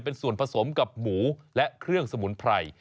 เป็นส่วนผสมกับหมูและเครื่องสมุนไพร